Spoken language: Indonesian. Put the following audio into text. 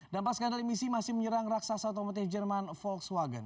dan pas kader emisi masih menyerang raksasa otomotif jerman volkswagen